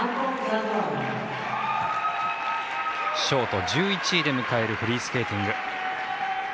ショート１１位で迎えるフリースケーティング。